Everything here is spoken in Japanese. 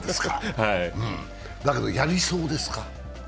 だけど、やりそうですか？